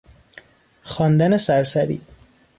خواندن سرسری